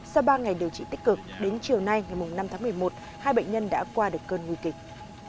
sau ba ngày điều trị tích cực đến chiều nay ngày năm tháng một mươi một hai bệnh nhân đã qua được cơn nguy kịch